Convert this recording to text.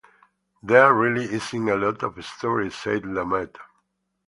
"There really isn't a lot of story," said Lumet.